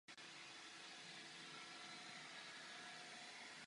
Keltský Kongres se na rozdíl od Keltské ligy nezabývá politickými záležitostmi.